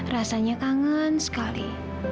rasanya kangen sekali